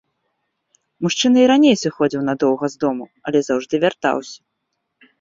Мужчына і раней сыходзіў надоўга з дому, але заўжды вяртаўся.